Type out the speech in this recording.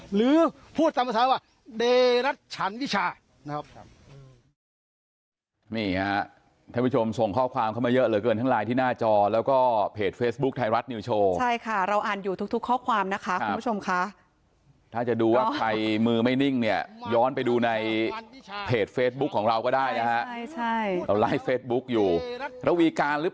หรือพูดตามภาษาว่าเดรัชชันวิชานะครับ